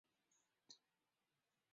刺果峨参是伞形科峨参属的植物。